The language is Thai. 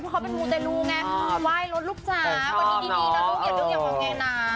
เพราะเขาเป็นมูแต่ลูไงว่ายรถลูกจ๊ะวันนี้ดีนะลูกอย่าดูอย่างแบบแม่นาง